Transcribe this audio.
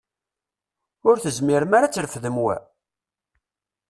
Ur tezmirem ara ad trefdem wa?